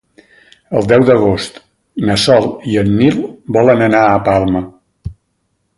El deu d'agost na Sol i en Nil volen anar a Palma.